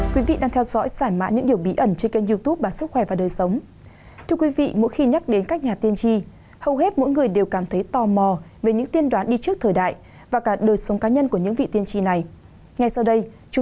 các bạn hãy đăng ký kênh để ủng hộ kênh của chúng mình nhé